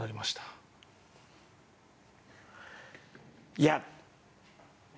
いや。